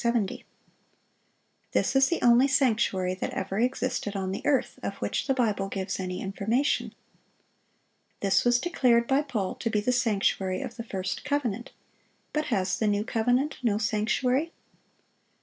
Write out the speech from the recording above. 70. This is the only sanctuary that ever existed on the earth, of which the Bible gives any information. This was declared by Paul to be the sanctuary of the first covenant. But has the new covenant no sanctuary?